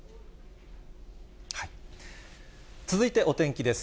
続いてお天気です。